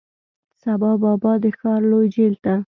سبا بابا د ښار لوی جیل ته،